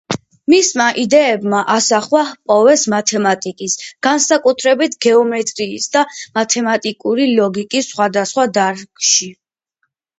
მისმა იდეებმა ასახვა ჰპოვეს მათემატიკის, განსაკუთრებით გეომეტრიის და მათემატიკური ლოგიკის სხვადასხვა დარგში.